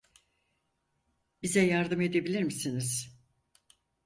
Bize yardım edebilir misiniz?